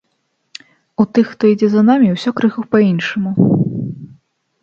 У тых, хто ідзе за намі, усё крыху па-іншаму.